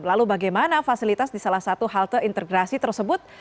lalu bagaimana fasilitas di salah satu halte integrasi tersebut